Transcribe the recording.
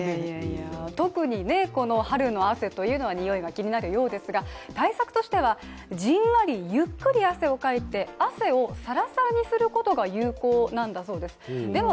特に春の汗というのはにおいが気になるようですが、対策としてはじんわり、ゆっくり汗をかいて汗をサラサラにすることが有効なんだそうですでは